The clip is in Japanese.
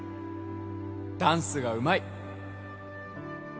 「ダンスがうまい！！」